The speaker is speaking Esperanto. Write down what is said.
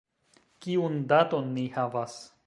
Kiun daton ni havas?